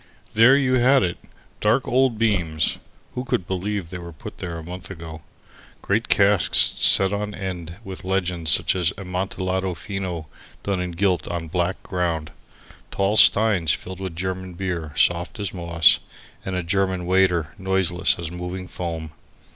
There you had it; dark old beams (who could believe they were put there a month ago?), great casks set on end with legends such as Amontillado Fino done in gilt on a black ground, tall steins filled with German beer soft as moss, and a German waiter noiseless as moving foam.